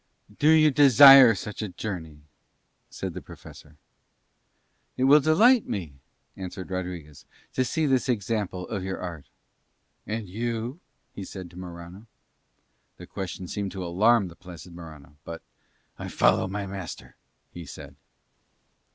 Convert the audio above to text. "Do you desire such a journey?" said the Professor. "It will delight me," answered Rodriguez, "to see this example of your art." "And you?" he said to Morano. The question seemed to alarm the placid Morano, but "I follow my master," he said.